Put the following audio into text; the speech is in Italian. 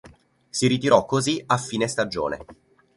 Si ritirò così a fine stagione.